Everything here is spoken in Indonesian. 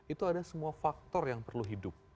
itu ada semua faktor yang perlu hidup